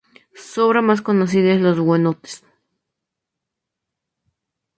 Su obra más conocida es "Los Hugonotes".